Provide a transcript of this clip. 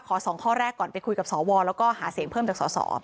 สองข้อแรกก่อนไปคุยกับสวแล้วก็หาเสียงเพิ่มจากสส